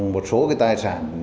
một số cái tài sản